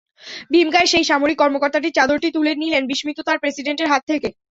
ভীমকায় সেই সামরিক কর্মকর্তাটি চাদরটি তুলে নিলেন বিস্মিত তাঁর প্রেসিডেন্টের হাত থেকে।